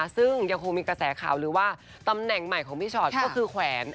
ซึ่งยังคงมีกระแสข่าวลือว่าตำแหน่งใหม่ของพี่ชอตก็คือแขวน